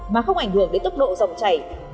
mà không ảnh hưởng đến tốc độ dòng chảy